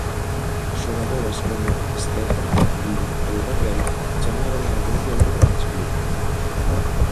Xogadoras como Estefi, Lía ou Raquel chamaron a atención de grandes clubs.